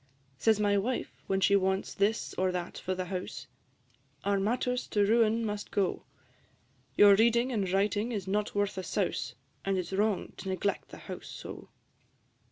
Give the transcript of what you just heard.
Says my Wife, when she wants this or that for the house, "Our matters to ruin must go: Your reading and writing is not worth a souse, And it 's wrong to neglect the house so."